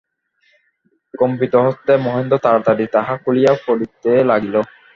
কম্পিতহস্তে মহেন্দ্র তাড়াতাড়ি তাহা খুলিয়া পড়িতে লাগিল।